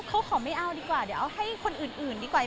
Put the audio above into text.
เขาขอไม่เอาดีกว่าเดี๋ยวเอาให้คนอื่นดีกว่า